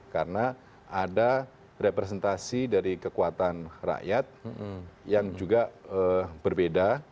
karena ada representasi dari kekuatan rakyat yang juga berbeda